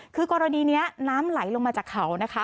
คือกรณีนี้น้ำไหลลงมาจากเขานะคะ